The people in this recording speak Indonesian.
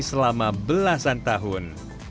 selama belasan tahun